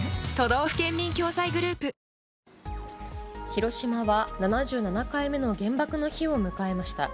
広島は７７回目の原爆の日を迎えました。